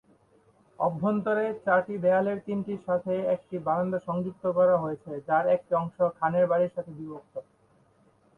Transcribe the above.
অভ্যন্তরে, চারটি দেয়ালের তিনটির সাথে একটি বারান্দা সংযুক্ত করা হয়েছে, যার একটি অংশ খানের বাড়ির সাথে বিভক্ত।